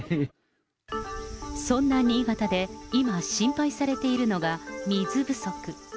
そんな新潟で今、心配されているのが、水不足。